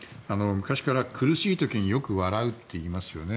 昔から苦しい時によく笑うといいますよね。